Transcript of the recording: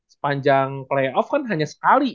sepanjang playoff kan hanya sekali